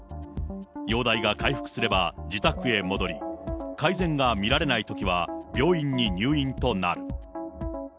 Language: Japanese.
容体が回復すれば自宅へ戻り、改善が見られないときは、病院に入院となる。